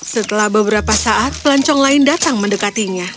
setelah beberapa saat pelancong lain datang mendekatinya